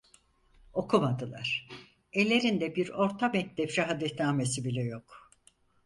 Okumadılar, ellerinde bir orta mektep şahadetnamesi bile yok!